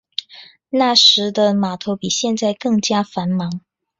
那时的码头比现在更加繁忙。